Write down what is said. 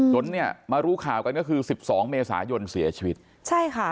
จนเนี่ยมารู้ข่าวกันก็คือสิบสองเมษายนเสียชีวิตใช่ค่ะ